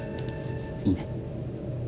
いいね？